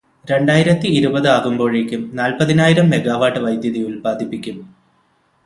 രണ്ടായിരത്തി ഇരുപത് ആകുമ്പോഴേക്കും നാല്പതിനായിരം മെഗാവാട്ട് വൈദ്യുതി ഉല്പാദിപ്പിക്കും.